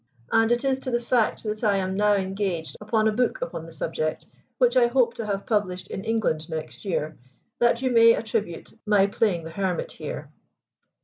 And it is to the fact that I am now engaged upon a book upon the subject, which I hope to have published in England next year, that you may attribute my playing the hermit here."